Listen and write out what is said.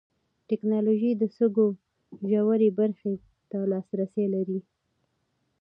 ټېکنالوژي د سږو ژورې برخې ته لاسرسی لري.